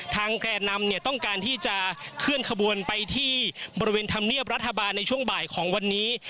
แก่นำเนี่ยต้องการที่จะเคลื่อนขบวนไปที่บริเวณธรรมเนียบรัฐบาลในช่วงบ่ายของวันนี้